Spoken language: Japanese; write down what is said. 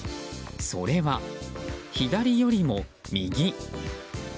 それは、左よりも右。